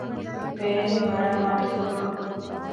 ވޭނެއް މަރާމާތުކުރުމަށް